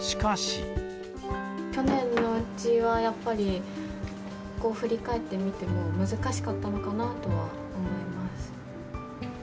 去年のうちは、やっぱり、振り返ってみても難しかったのかなとは思います。